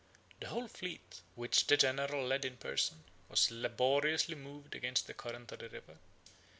The whole fleet, which the general led in person, was laboriously moved against the current of the river.